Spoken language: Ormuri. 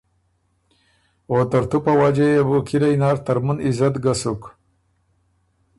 او ترتُو په وجه يې بو کِلئ نر ترمُن عزت ګۀ سُک۔